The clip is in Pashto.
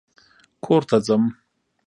کور ته ځم